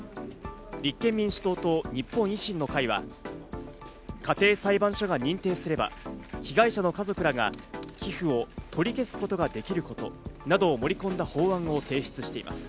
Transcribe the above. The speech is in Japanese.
立憲民主党と日本維新の会は、家庭裁判所が認定すれば被害者の家族らが寄付を取り消すことができることなどを盛り込んだ法案を提出しています。